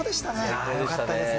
いや、よかったですね。